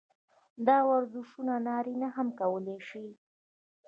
دا ورزشونه نارينه هم کولے شي -